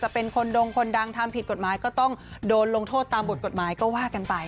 เป็นคนดงคนดังทำผิดกฎหมายก็ต้องโดนลงโทษตามบทกฎหมายก็ว่ากันไป